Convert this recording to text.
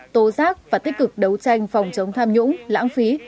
tố giác và tích cực đấu tranh phòng chống tham nhũng lãng phí